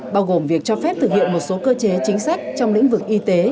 bao gồm việc cho phép thực hiện một số cơ chế chính sách trong lĩnh vực y tế